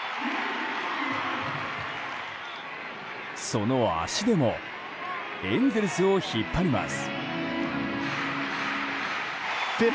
その足でもエンゼルスを引っ張ります。